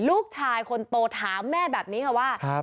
ลูกชายคนโตถามแม่แบบนี้ค่ะว่า